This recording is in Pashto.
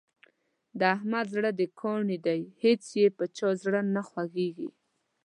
د احمد زړه د کاڼي دی هېڅ یې په چا زړه نه خوږېږي.